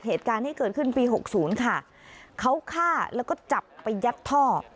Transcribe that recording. เหตุการณ์ที่เกิดขึ้นปีหกศูนย์ค่ะเขาฆ่าแล้วก็จับไปยัดท่อ